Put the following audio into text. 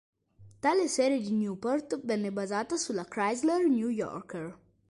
Tale serie di Newport venne basata sulla Chrysler New Yorker.